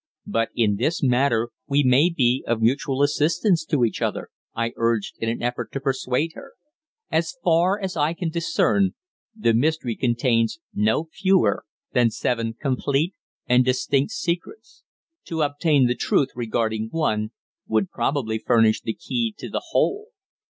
"But in this matter we may be of mutual assistance to each other," I urged, in an effort to persuade her. "As far as I can discern, the mystery contains no fewer than seven complete and distinct secrets. To obtain the truth regarding one would probably furnish the key to the whole."